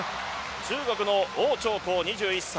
中国の王長コウ、２１歳。